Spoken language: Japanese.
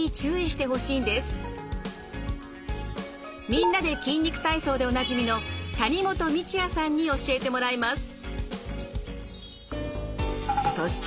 「みんなで筋肉体操」でおなじみの谷本道哉さんに教えてもらいます。